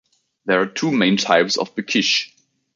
There are two main types of Bekishe.